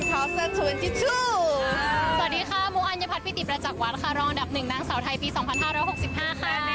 สวัสดีค่ะมุอัญพัฒปิติประจักษ์วัดค่ะรองอันดับหนึ่งนางสาวไทยปี๒๕๖๕ค่ะ